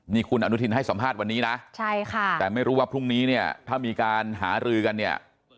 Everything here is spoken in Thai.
นี่คุณอนุทินให้สัมภาษณ์วันนี้นะใช่ค่ะแต่ไม่รู้ว่าพรุ่งนี้เนี่ยถ้ามีการหารือกันเนี่ย